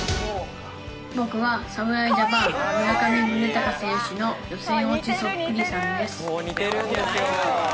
僕は侍ジャパン、村上宗隆選手の予選落ちそっくりさんです。